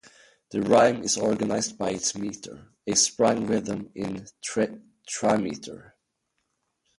The rhyme is organized by its meter, a sprung rhythm in trimeter.